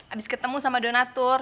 abis ketemu sama donatur